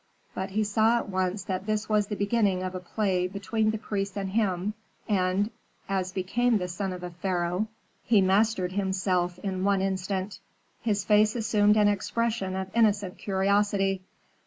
But he saw at once that this was the beginning of a play between the priests and him, and, as became the son of a pharaoh, he mastered himself in one instant. His face assumed an expression of innocent curiosity.